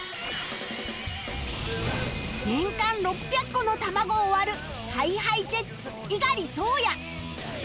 年間６００個の卵を割る ＨｉＨｉＪｅｔｓ 猪狩蒼弥